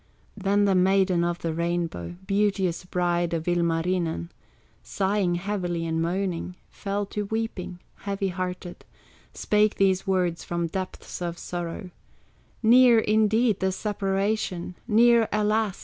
Then the Maiden of the Rainbow, Beauteous bride of Ilmarinen, Sighing heavily and moaning, Fell to weeping, heavy hearted, Spake these words from depths of sorrow: "Near, indeed, the separation, Near, alas!